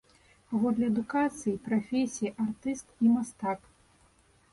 Паводле адукацыі і прафесіі артыст і мастак.